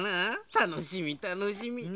たのしみたのしみウハハ。